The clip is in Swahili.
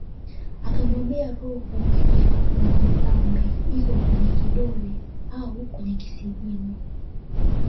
Akamwambia roho ya Mwamubambe iko kwenye kidole au kwenye kisigino